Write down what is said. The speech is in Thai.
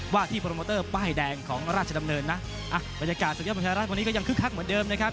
ว่าที่โปรโมเตอร์ป้ายแดงของราชดำเนินนะอ่ะบรรยากาศสุดยอดมวยไทยรัฐวันนี้ก็ยังคึกคักเหมือนเดิมนะครับ